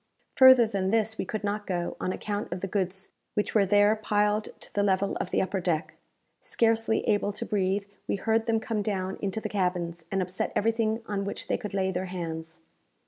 Further than this we could not go, on account of the goods which were there piled to the level of the upper deck. Scarcely able to breathe, we heard them come down into the cabins, and upset everything on which they could lay their hands.